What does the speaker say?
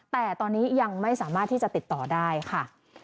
แต่ตอนนี้ยังไม่สามารถที่จะติดต่อได้ค่ะ